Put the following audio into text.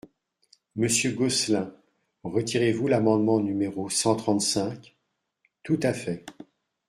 Monsieur Gosselin, retirez-vous l’amendement numéro cent trente-cinq ? Tout à fait.